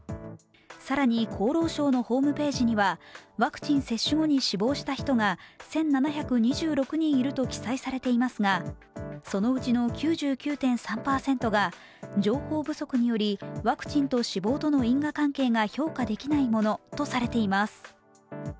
更に、厚労省のホームページにはワクチン接種後に死亡した人が１７２６人いると記載されていますが、そのうちの９９．３％が情報不足によりワクチンと死亡との因果関係が評価できないものとされています。